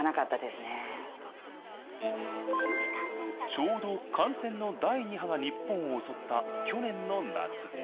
ちょうど感染の第２波が日本を襲った去年の夏。